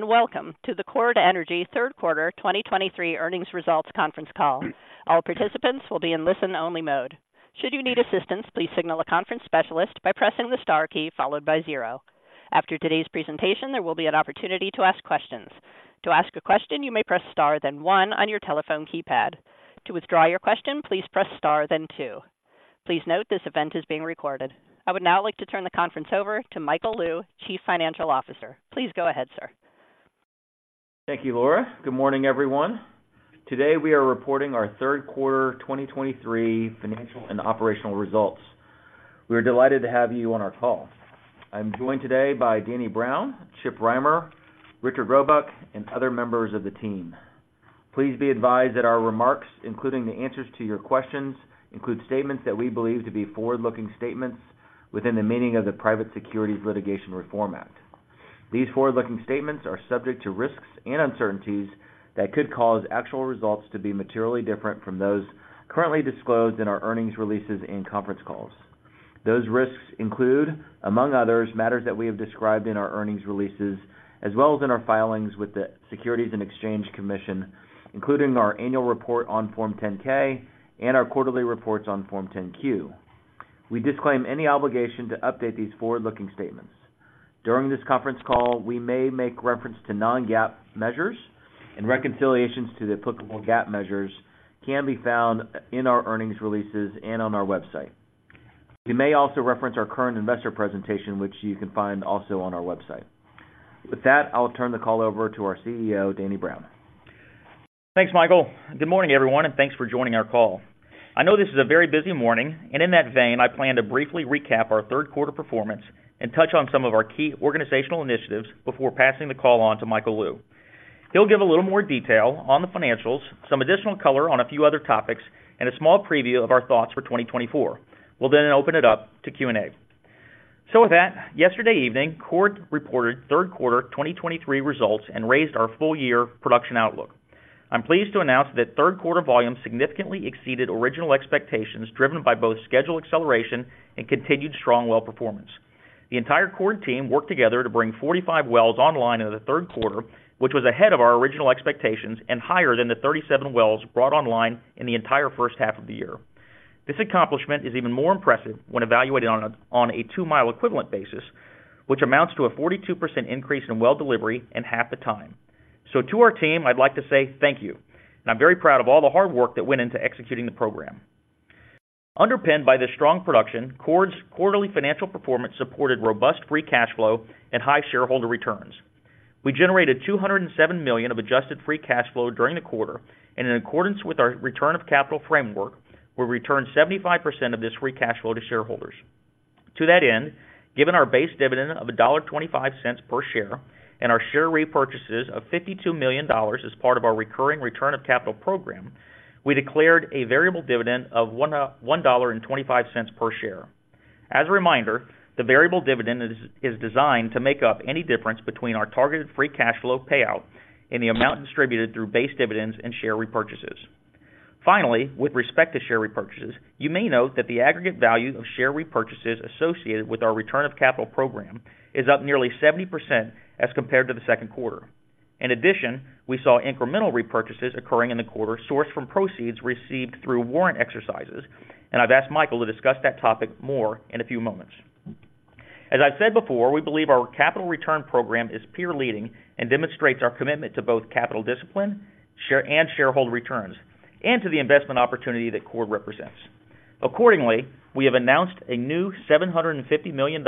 Welcome to the Chord Energy Third Quarter 2023 Earnings Results Conference Call. All participants will be in listen-only mode. Should you need assistance, please signal a conference specialist by pressing the star key followed by zero. After today's presentation, there will be an opportunity to ask questions. To ask a question, you may press star, then one on your telephone keypad. To withdraw your question, please press star, then two. Please note, this event is being recorded. I would now like to turn the conference over to Michael Lou, Chief Financial Officer. Please go ahead, sir. Thank you, Laura. Good morning, everyone. Today, we are reporting our third quarter 2023 financial and operational results. We are delighted to have you on our call. I'm joined today by Danny Brown, Chip Rimer, Richard Robuck, and other members of the team. Please be advised that our remarks, including the answers to your questions, include statements that we believe to be forward-looking statements within the meaning of the Private Securities Litigation Reform Act. These forward-looking statements are subject to risks and uncertainties that could cause actual results to be materially different from those currently disclosed in our earnings releases and conference calls. Those risks include, among others, matters that we have described in our earnings releases, as well as in our filings with the Securities and Exchange Commission, including our annual report on Form 10-K and our quarterly reports on Form 10-Q. We disclaim any obligation to update these forward-looking statements. During this conference call, we may make reference to non-GAAP measures, and reconciliations to the applicable GAAP measures can be found in our earnings releases and on our website. You may also reference our current investor presentation, which you can find also on our website. With that, I'll turn the call over to our CEO, Danny Brown. Thanks, Michael. Good morning, everyone, and thanks for joining our call. I know this is a very busy morning, and in that vein, I plan to briefly recap our third quarter performance and touch on some of our key organizational initiatives before passing the call on to Michael Lou. He'll give a little more detail on the financials, some additional color on a few other topics, and a small preview of our thoughts for 2024. We'll then open it up to Q&A. So with that, yesterday evening, Chord reported third quarter 2023 results and raised our full year production outlook. I'm pleased to announce that third quarter volume significantly exceeded original expectations, driven by both schedule acceleration and continued strong well performance. The entire Chord team worked together to bring 45 wells online in the third quarter, which was ahead of our original expectations and higher than the 37 wells brought online in the entire first half of the year. This accomplishment is even more impressive when evaluated on a 2-mile equivalent basis, which amounts to a 42% increase in well delivery in half the time. So to our team, I'd like to say thank you, and I'm very proud of all the hard work that went into executing the program. Underpinned by this strong production, Chord's quarterly financial performance supported robust free cash flow and high shareholder returns. We generated $207 million of adjusted free cash flow during the quarter, and in accordance with our return of capital framework, we returned 75% of this free cash flow to shareholders. To that end, given our base dividend of $1.25 per share and our share repurchases of $52 million as part of our recurring return of capital program, we declared a variable dividend of $1.25 per share. As a reminder, the variable dividend is designed to make up any difference between our targeted free cash flow payout and the amount distributed through base dividends and share repurchases. Finally, with respect to share repurchases, you may note that the aggregate value of share repurchases associated with our return of capital program is up nearly 70% as compared to the second quarter. In addition, we saw incremental repurchases occurring in the quarter, sourced from proceeds received through warrant exercises, and I've asked Michael to discuss that topic more in a few moments. As I've said before, we believe our capital return program is peer leading and demonstrates our commitment to both capital discipline, shareholder returns, and to the investment opportunity that Chord represents. Accordingly, we have announced a new $750 million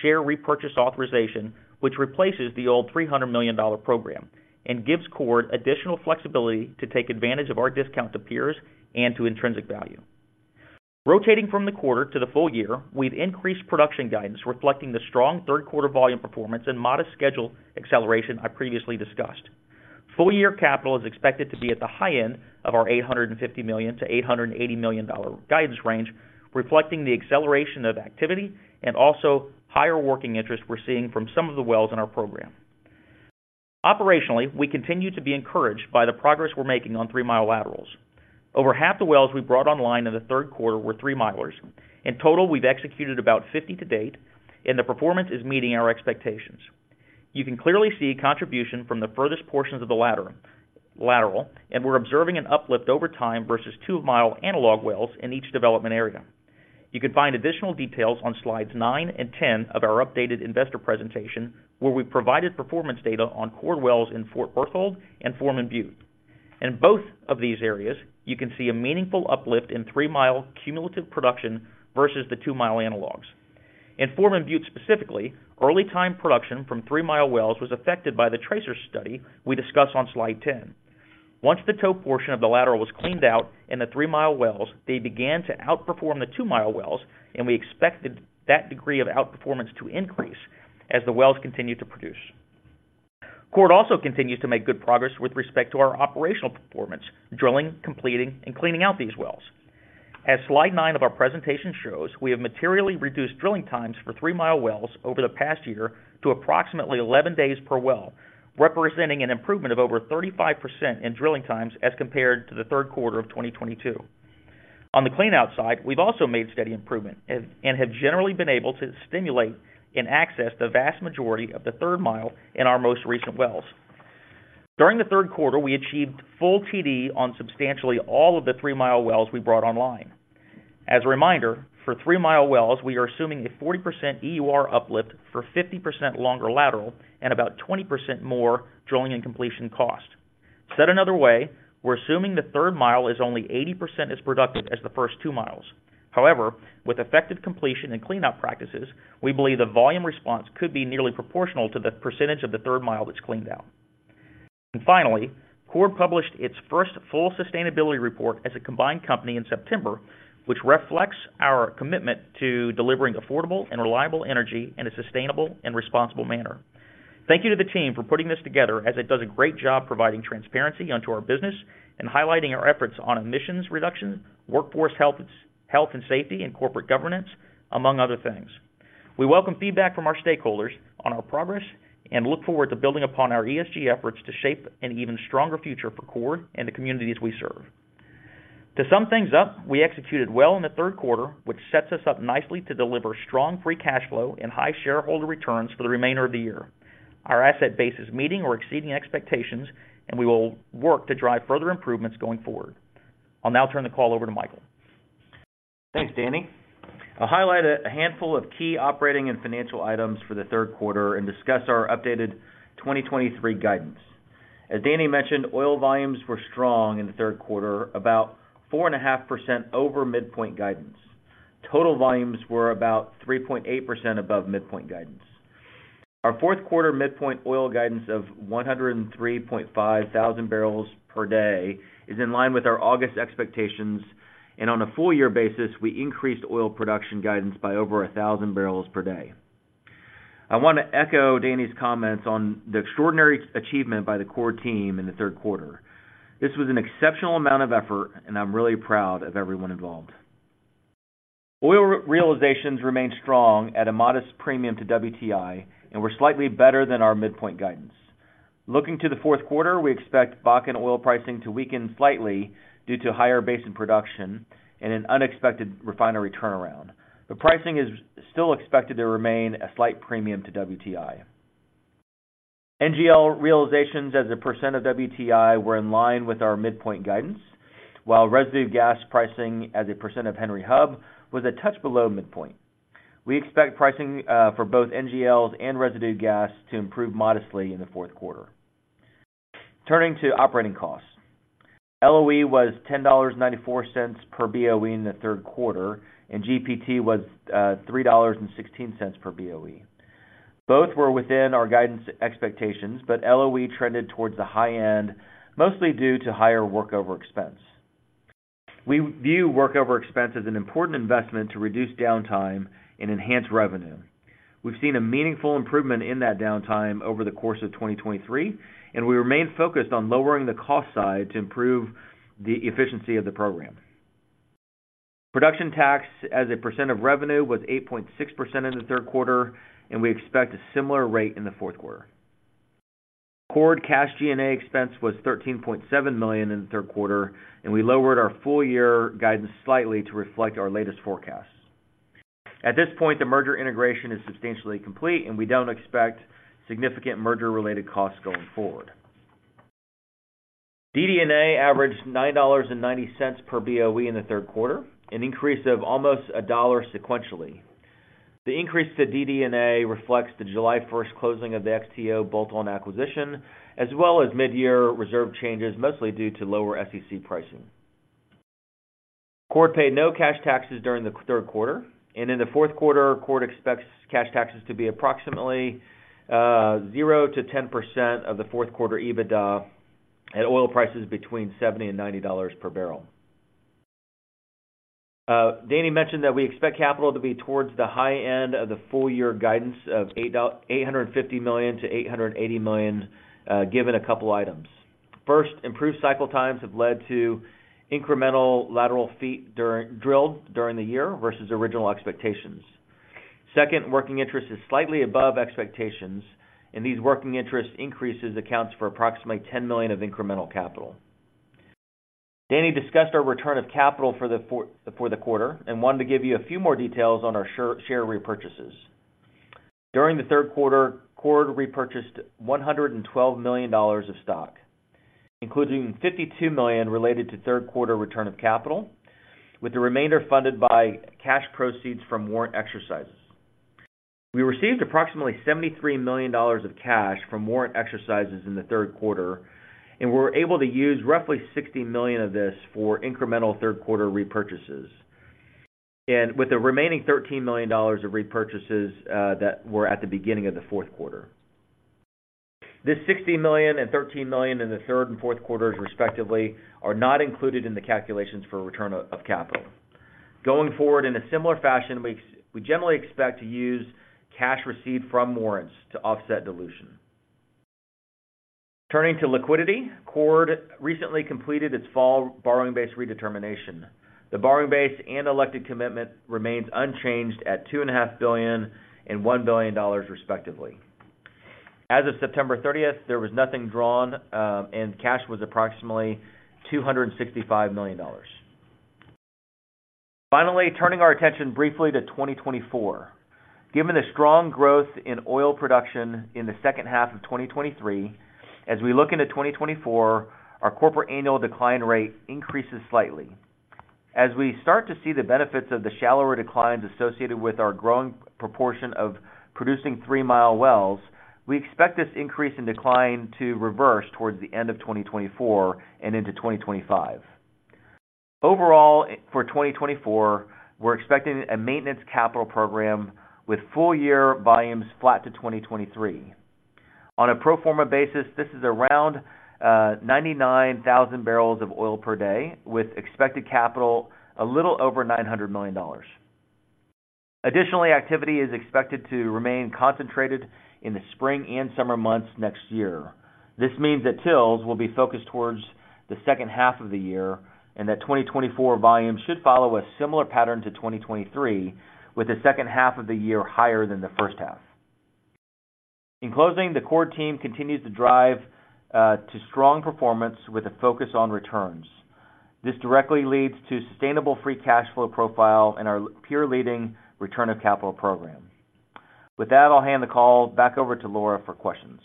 share repurchase authorization, which replaces the old $300 million program and gives Chord additional flexibility to take advantage of our discount to peers and to intrinsic value. Rotating from the quarter to the full year, we've increased production guidance, reflecting the strong third quarter volume performance and modest schedule acceleration I previously discussed. Full-year capital is expected to be at the high end of our $850 million-$880 million guidance range, reflecting the acceleration of activity and also higher working interest we're seeing from some of the wells in our program. Operationally, we continue to be encouraged by the progress we're making on 3-mile laterals. Over half the wells we brought online in the third quarter were 3-milers. In total, we've executed about 50 to date, and the performance is meeting our expectations. You can clearly see contribution from the furthest portions of the lateral, and we're observing an uplift over time versus 2-mile analog wells in each development area. You can find additional details on slides nine and 10 of our updated investor presentation, where we provided performance data on Chord wells in Fort Berthold and Foreman Butte. In both of these areas, you can see a meaningful uplift in 3-mile cumulative production versus the 2-mile analogs. In Foreman Butte, specifically, early time production from 3-mile wells was affected by the tracer study we discuss on slide 10. Once the toe portion of the lateral was cleaned out in the 3-mile wells, they began to outperform the 2-mile wells, and we expected that degree of outperformance to increase as the wells continued to produce. Chord also continues to make good progress with respect to our operational performance, drilling, completing, and cleaning out these wells. As slide 9 of our presentation shows, we have materially reduced drilling times for 3-mile wells over the past year to approximately 11 days per well, representing an improvement of over 35% in drilling times as compared to the third quarter of 2022. On the cleanout side, we've also made steady improvement and have generally been able to stimulate and access the vast majority of the third mile in our most recent wells. During the third quarter, we achieved full TD on substantially all of the 3-mile wells we brought online. As a reminder, for 3-mile wells, we are assuming a 40% EUR uplift for 50% longer lateral and about 20% more drilling and completion cost. Said another way, we're assuming the third mile is only 80% as productive as the first two miles. However, with effective completion and cleanout practices, we believe the volume response could be nearly proportional to the percentage of the third mile that's cleaned out. Finally, Chord published its first full sustainability report as a combined company in September, which reflects our commitment to delivering affordable and reliable energy in a sustainable and responsible manner. Thank you to the team for putting this together, as it does a great job providing transparency onto our business and highlighting our efforts on emissions reduction, workforce health, health and safety, and corporate governance, among other things. We welcome feedback from our stakeholders on our progress and look forward to building upon our ESG efforts to shape an even stronger future for Chord and the communities we serve. To sum things up, we executed well in the third quarter, which sets us up nicely to deliver strong free cash flow and high shareholder returns for the remainder of the year. Our asset base is meeting or exceeding expectations, and we will work to drive further improvements going forward. I'll now turn the call over to Michael. Thanks, Danny. I'll highlight a handful of key operating and financial items for the third quarter and discuss our updated 2023 guidance. As Danny mentioned, oil volumes were strong in the third quarter, about 4.5% over midpoint guidance. Total volumes were about 3.8% above midpoint guidance. Our fourth quarter midpoint oil guidance of 103,500 barrels per day is in line with our August expectations, and on a full year basis, we increased oil production guidance by over 1,000 barrels per day. I want to echo Danny's comments on the extraordinary achievement by the Chord team in the third quarter. This was an exceptional amount of effort, and I'm really proud of everyone involved. Oil realizations remain strong at a modest premium to WTI and were slightly better than our midpoint guidance. Looking to the fourth quarter, we expect Bakken oil pricing to weaken slightly due to higher basin production and an unexpected refinery turnaround. The pricing is still expected to remain a slight premium to WTI. NGL realizations as a % of WTI were in line with our midpoint guidance, while residue gas pricing as a % of Henry Hub was a touch below midpoint. We expect pricing for both NGLs and residue gas to improve modestly in the fourth quarter. Turning to operating costs. LOE was $10.94 per BOE in the third quarter, and GPT was $3.16 per BOE. Both were within our guidance expectations, but LOE trended towards the high end, mostly due to higher workover expense. We view workover expense as an important investment to reduce downtime and enhance revenue. We've seen a meaningful improvement in that downtime over the course of 2023, and we remain focused on lowering the cost side to improve the efficiency of the program. Production tax as a percent of revenue was 8.6% in the third quarter, and we expect a similar rate in the fourth quarter. Chord cash G&A expense was $13.7 million in the third quarter, and we lowered our full-year guidance slightly to reflect our latest forecasts. At this point, the merger integration is substantially complete, and we don't expect significant merger-related costs going forward. DD&A averaged $9.90 per BOE in the third quarter, an increase of almost a dollar sequentially. The increase to DD&A reflects the July 1st closing of the XTO bolt-on acquisition, as well as mid-year reserve changes, mostly due to lower SEC pricing. Chord paid no cash taxes during the third quarter, and in the fourth quarter, Chord expects cash taxes to be approximately 0%-10% of the fourth quarter EBITDA at oil prices between $70-$90 per barrel. Danny mentioned that we expect capital to be towards the high end of the full year guidance of $850 million-$880 million, given a couple of items. First, improved cycle times have led to incremental lateral feet drilled during the year versus original expectations. Second, working interest is slightly above expectations, and these working interest increases accounts for approximately $10 million of incremental capital. Danny discussed our return of capital for the quarter and wanted to give you a few more details on our share repurchases. During the third quarter, Chord repurchased $112 million of stock, including $52 million related to third quarter return of capital, with the remainder funded by cash proceeds from warrant exercises. We received approximately $73 million of cash from warrant exercises in the third quarter, and we were able to use roughly $60 million of this for incremental third-quarter repurchases, and with the remaining $13 million of repurchases that were at the beginning of the fourth quarter. This $60 million and $13 million in the third and fourth quarters, respectively, are not included in the calculations for return of capital. Going forward, in a similar fashion, we generally expect to use cash received from warrants to offset dilution. Turning to liquidity, Chord recently completed its fall borrowing base redetermination. The borrowing base and elected commitment remains unchanged at $2.5 billion and $1 billion, respectively. ...As of September 30th, there was nothing drawn, and cash was approximately $265 million. Finally, turning our attention briefly to 2024. Given the strong growth in oil production in the second half of 2023, as we look into 2024, our corporate annual decline rate increases slightly. As we start to see the benefits of the shallower declines associated with our growing proportion of producing 3-mile wells, we expect this increase in decline to reverse towards the end of 2024 and into 2025. Overall, for 2024, we're expecting a maintenance capital program with full year volumes flat to 2023. On a pro forma basis, this is around 99,000 barrels of oil per day, with expected capital a little over $900 million. Additionally, activity is expected to remain concentrated in the spring and summer months next year. This means that TILs will be focused towards the second half of the year, and that 2024 volumes should follow a similar pattern to 2023, with the second half of the year higher than the first half. In closing, the Chord team continues to drive to strong performance with a focus on returns. This directly leads to sustainable free cash flow profile and our peer-leading return of capital program. With that, I'll hand the call back over to Laura for questions.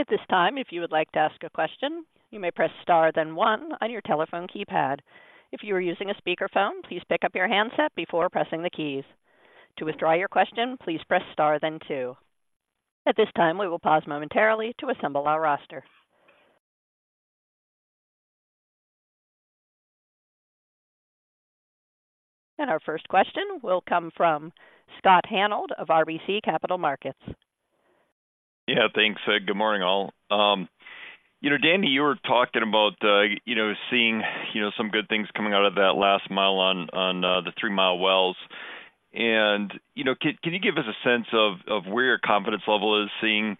At this time, if you would like to ask a question, you may press star, then one on your telephone keypad. If you are using a speakerphone, please pick up your handset before pressing the keys. To withdraw your question, please press star then two. At this time, we will pause momentarily to assemble our roster. Our first question will come from Scott Hanold of RBC Capital Markets. Yeah, thanks. Good morning, all. You know, Danny, you were talking about, you know, seeing, you know, some good things coming out of that last mile on the 3-mile wells. And, you know, can you give us a sense of where your confidence level is seeing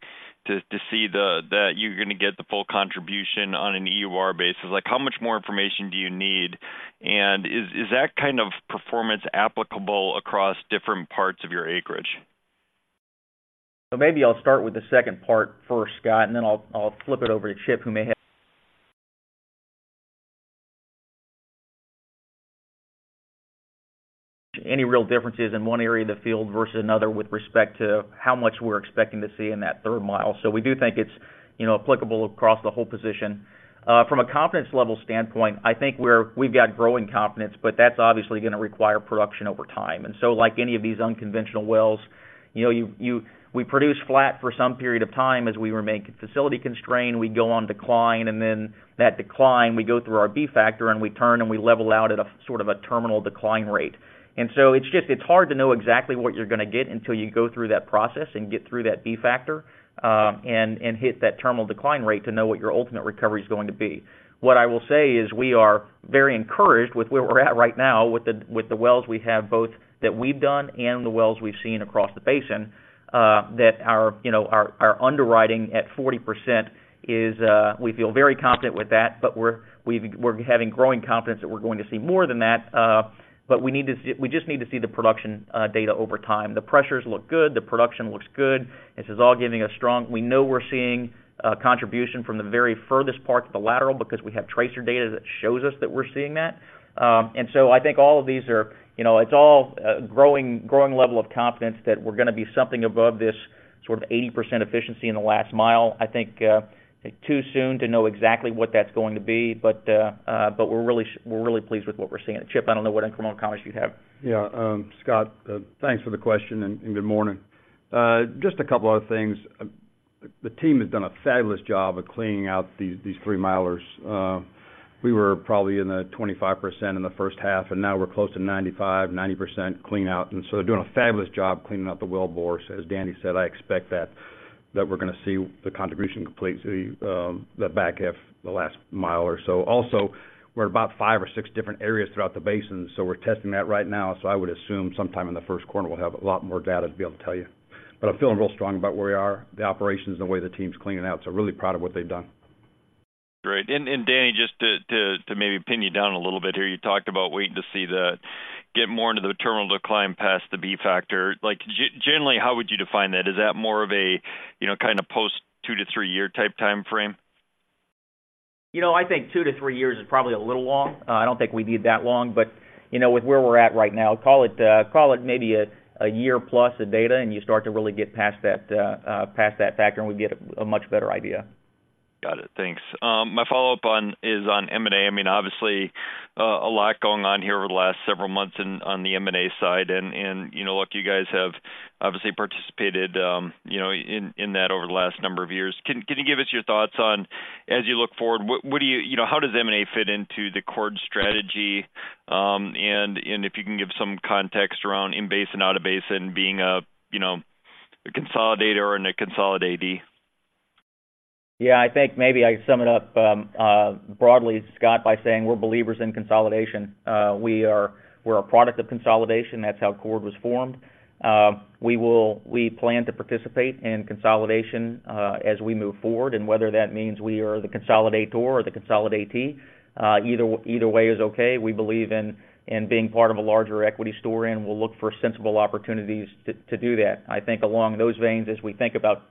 to see that you're gonna get the full contribution on an EUR basis? Like, how much more information do you need? And is that kind of performance applicable across different parts of your acreage? So maybe I'll start with the second part first, Scott, and then I'll flip it over to Chip, who may have... any real differences in one area of the field versus another with respect to how much we're expecting to see in that third mile. So we do think it's, you know, applicable across the whole position. From a confidence level standpoint, I think we're—we've got growing confidence, but that's obviously gonna require production over time. And so, like any of these unconventional wells, you know, you we produce flat for some period of time as we remain facility constrained, we go on decline, and then that decline, we go through our B factor, and we turn, and we level out at a sort of a terminal decline rate. And so it's just, it's hard to know exactly what you're gonna get until you go through that process and get through that B factor, and hit that terminal decline rate to know what your ultimate recovery is going to be. What I will say is we are very encouraged with where we're at right now with the, with the wells we have, both that we've done and the wells we've seen across the basin, that our, you know, our underwriting at 40% is, we feel very confident with that, but we're having growing confidence that we're going to see more than that, but we need to see—we just need to see the production data over time. The pressures look good, the production looks good. This is all giving us strong... We know we're seeing contribution from the very furthest part of the lateral because we have tracer data that shows us that we're seeing that. And so I think all of these are, you know, it's all a growing, growing level of confidence that we're gonna be something above this sort of 80% efficiency in the last mile. I think it's too soon to know exactly what that's going to be, but but we're really pleased with what we're seeing. And Chip, I don't know what incremental comments you have. Yeah, Scott, thanks for the question and good morning. Just a couple other things. The team has done a fabulous job of cleaning out these 3-milers. We were probably in the 25% in the first half, and now we're close to 95%-90% clean out, and so doing a fabulous job cleaning out the wellbores. As Danny said, I expect that we're gonna see the contribution completely, the back half, the last mile or so. Also, we're about five or six different areas throughout the basin, so we're testing that right now. So I would assume sometime in the first quarter, we'll have a lot more data to be able to tell you. But I'm feeling real strong about where we are, the operations, and the way the team's cleaning out, so really proud of what they've done. Great. And Danny, just to maybe pin you down a little bit here, you talked about waiting to see the get more into the terminal decline past the B factor. Like, generally, how would you define that? Is that more of a, you know, kinda post 2-3-year type timeframe? You know, I think 2-3 years is probably a little long. I don't think we need that long, but, you know, with where we're at right now, call it, call it maybe a year plus of data, and you start to really get past that, past that factor, and we get a much better idea. Got it. Thanks. My follow-up is on M&A. I mean, obviously, a lot going on here over the last several months in on the M&A side, and, you know, look, you guys have obviously participated, you know, in that over the last number of years. Can you give us your thoughts on, as you look forward, what do you... You know, how does M&A fit into the core strategy? And if you can give some context around in-basin, out-of-basin, being a, you know, a consolidator or a consolidatee? ... Yeah, I think maybe I can sum it up broadly, Scott, by saying we're believers in consolidation. We're a product of consolidation. That's how Chord was formed. We plan to participate in consolidation as we move forward, and whether that means we are the consolidator or the consolidatee, either way is okay. We believe in being part of a larger equity story, and we'll look for sensible opportunities to do that. I think along those veins, as we think about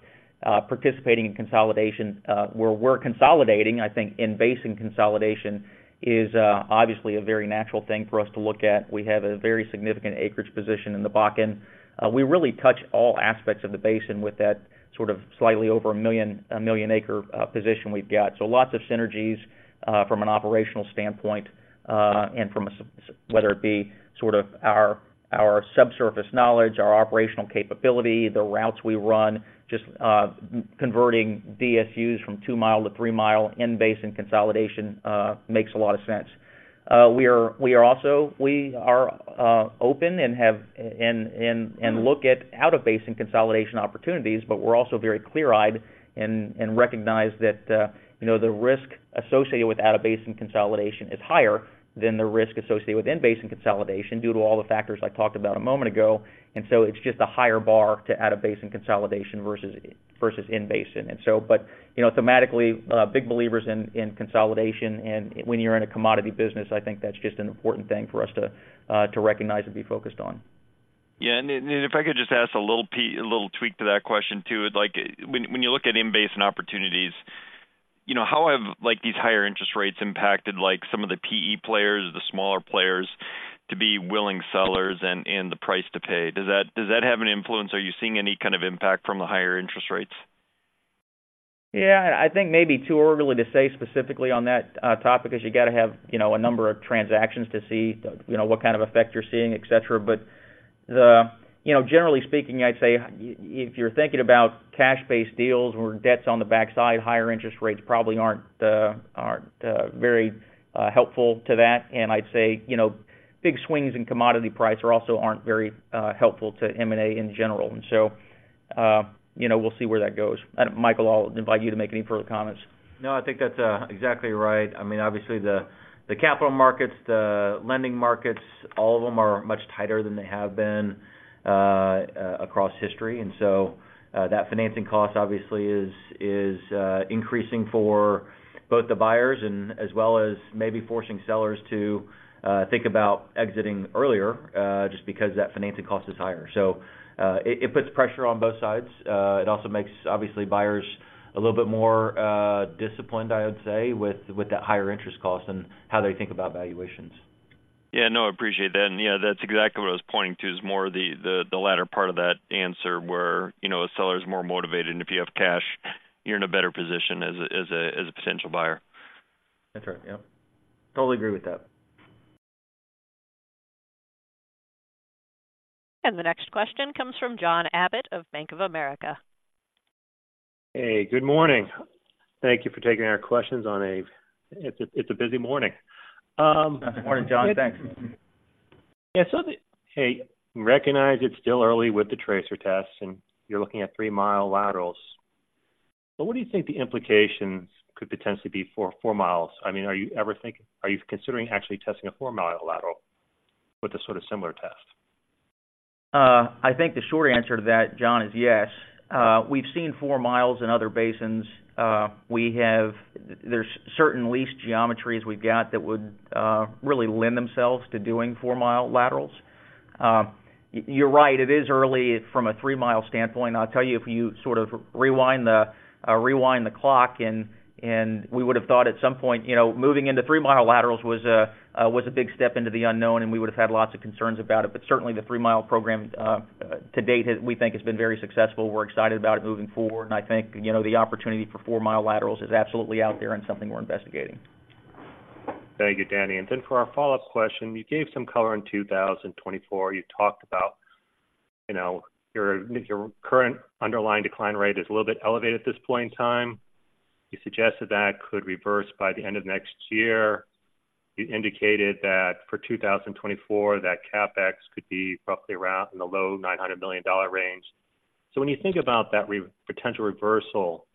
participating in consolidation, where we're consolidating, I think in-basin consolidation is obviously a very natural thing for us to look at. We have a very significant acreage position in the Bakken. We really touch all aspects of the basin with that sort of slightly over 1 million, 1 million acre position we've got. Lots of synergies from an operational standpoint, and from a—whether it be sort of our subsurface knowledge, our operational capability, the routes we run, just converting DSUs from two mile to three mile, in-basin consolidation makes a lot of sense. We are also—we are open and have, and look at out-of-basin consolidation opportunities, but we're also very clear-eyed and recognize that, you know, the risk associated with out-of-basin consolidation is higher than the risk associated with in-basin consolidation, due to all the factors I talked about a moment ago. It's just a higher bar to out-of-basin consolidation versus in-basin. You know, thematically, big believers in consolidation, and when you're in a commodity business, I think that's just an important thing for us to recognize and be focused on. Yeah, and if I could just ask a little tweak to that question, too. Like, when you look at in-basin opportunities, you know, how have these higher interest rates impacted, like, some of the PE players or the smaller players to be willing sellers and the price to pay? Does that have an influence? Are you seeing any kind of impact from the higher interest rates? Yeah, I think maybe too early to say specifically on that topic, because you got to have, you know, a number of transactions to see, you know, what kind of effect you're seeing, et cetera. But the... You know, generally speaking, I'd say if you're thinking about cash-based deals where debt's on the backside, higher interest rates probably aren't very helpful to that. And I'd say, you know, big swings in commodity price are also aren't very helpful to M&A in general. And so, you know, we'll see where that goes. And Michael, I'll invite you to make any further comments. No, I think that's exactly right. I mean, obviously, the capital markets, the lending markets, all of them are much tighter than they have been across history. And so, that financing cost obviously is increasing for both the buyers and as well as maybe forcing sellers to think about exiting earlier just because that financing cost is higher. So, it puts pressure on both sides. It also makes, obviously, buyers a little bit more disciplined, I would say, with that higher interest cost and how they think about valuations. Yeah, no, I appreciate that. And, you know, that's exactly what I was pointing to, is more the latter part of that answer, where, you know, a seller is more motivated, and if you have cash, you're in a better position as a potential buyer. That's right. Yep. Totally agree with that. The next question comes from John Abbott of Bank of America. Hey, good morning. Thank you for taking our questions on a... It's a, it's a busy morning. Good morning, John. Thanks. Yeah, so hey, recognize it's still early with the tracer tests, and you're looking at 3-mile laterals, but what do you think the implications could potentially be for four miles? I mean, are you ever thinking--are you considering actually testing a 4-mile lateral with a sort of similar test? I think the short answer to that, John, is yes. We've seen four miles in other basins. There's certain lease geometries we've got that would really lend themselves to doing 4-mile laterals. You're right, it is early from a 3-mile standpoint. I'll tell you, if you sort of rewind the clock and we would have thought at some point, you know, moving into 3-mile laterals was a big step into the unknown, and we would have had lots of concerns about it. But certainly, the 3-mile program to date, we think has been very successful. We're excited about it moving forward, and I think, you know, the opportunity for 4-mile laterals is absolutely out there and something we're investigating. Thank you, Danny. And then for our follow-up question, you gave some color on 2024. You talked about, you know, your, your current underlying decline rate is a little bit elevated at this point in time. You suggested that could reverse by the end of next year. You indicated that for 2024, that CapEx could be roughly around in the low $900 million range. So when you think about that potential reversal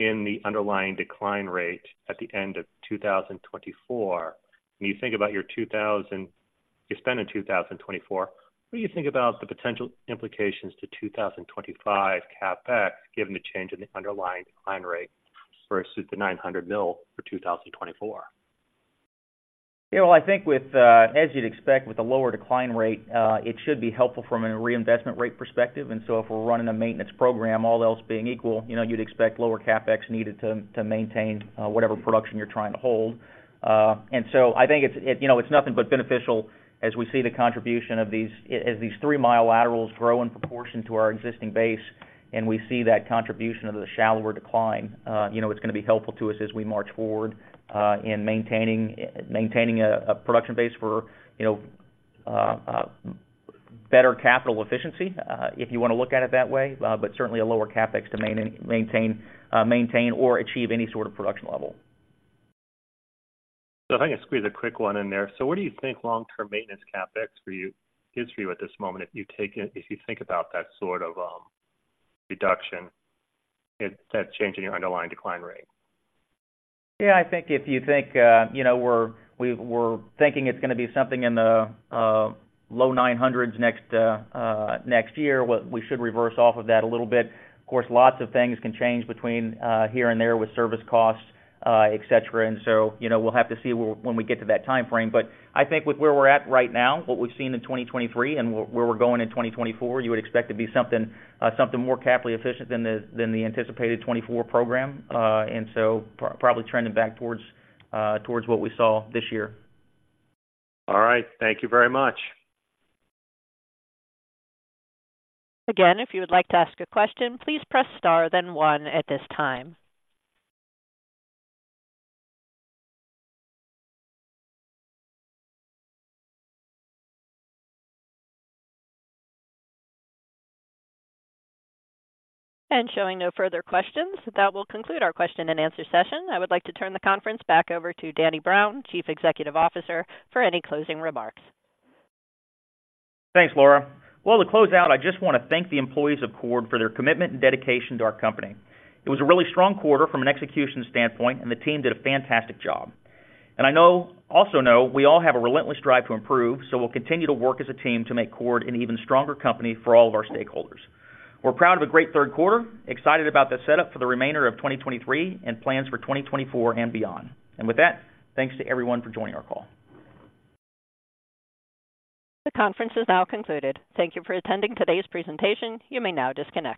in the underlying decline rate at the end of 2024, when you think about your spend in 2024, what do you think about the potential implications to 2025 CapEx, given the change in the underlying decline rate versus the $900 million for 2024? Yeah, well, I think with, as you'd expect with the lower decline rate, it should be helpful from a reinvestment rate perspective. And so if we're running a maintenance program, all else being equal, you know, you'd expect lower CapEx needed to maintain whatever production you're trying to hold. And so I think it's, you know, it's nothing but beneficial as we see the contribution of these, as these 3-mile laterals grow in proportion to our existing base, and we see that contribution of the shallower decline, you know, it's gonna be helpful to us as we march forward in maintaining a production base for, you know, better capital efficiency, if you want to look at it that way. But certainly a lower CapEx to maintain or achieve any sort of production level. So if I can squeeze a quick one in there. So what do you think long-term maintenance CapEx for you is for you at this moment, if you take it, if you think about that sort of, reduction, that change in your underlying decline rate? Yeah, I think if you think, you know, we're thinking it's gonna be something in the low $900s next year. What we should revise off of that a little bit. Of course, lots of things can change between here and there with service costs, et cetera. And so, you know, we'll have to see when we get to that timeframe. But I think with where we're at right now, what we've seen in 2023 and where we're going in 2024, you would expect something more capital efficient than the anticipated 2024 program. And so probably trending back towards what we saw this year. All right. Thank you very much. Again, if you would like to ask a question, please press star then one at this time. Showing no further questions, that will conclude our question and answer session. I would like to turn the conference back over to Danny Brown, Chief Executive Officer, for any closing remarks. Thanks, Laura. Well, to close out, I just want to thank the employees of Chord for their commitment and dedication to our company. It was a really strong quarter from an execution standpoint, and the team did a fantastic job. And I also know we all have a relentless drive to improve, so we'll continue to work as a team to make Chord an even stronger company for all of our stakeholders. We're proud of a great third quarter, excited about the setup for the remainder of 2023, and plans for 2024 and beyond. And with that, thanks to everyone for joining our call. The conference is now concluded. Thank you for attending today's presentation. You may now disconnect.